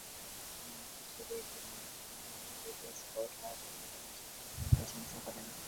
তিনি একটি ছবি আঁকেন যা ডুসেলডোর্ফ আর্ট একাডেমির শিক্ষকগণ প্রশংসা করেন।